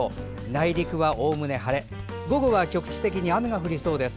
内陸はおおむね晴れますが午後は局地的に雨が降りそうです。